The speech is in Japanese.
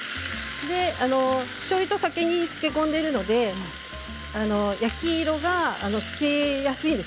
しょうゆとお酒に漬け込んでいるので焼き色がつきやすいんです。